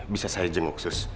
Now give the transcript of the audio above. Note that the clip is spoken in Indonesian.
bisa saya jenguk sus